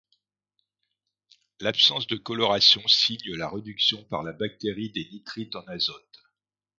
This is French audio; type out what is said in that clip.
L'absence de coloration signe la réduction par la bactérie des nitrites en azote.